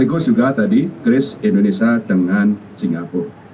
dan juga kris indonesia dengan singapura